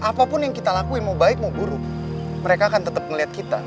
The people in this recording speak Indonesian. apapun yang kita lakuin mau baik mau buruk mereka akan tetap melihat kita